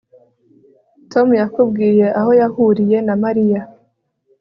Tom yakubwiye aho yahuriye na Mariya